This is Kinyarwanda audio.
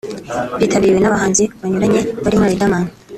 byitabiriwe n’abahanzi banyuranye barimo Riderman